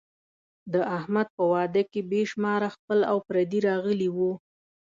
د احمد په واده کې بې شماره خپل او پردي راغلي وو.